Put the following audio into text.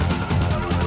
terima kasih chandra